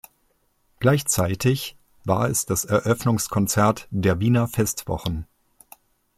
Gleichzeitig war es das Eröffnungskonzert der Wiener Festwochen.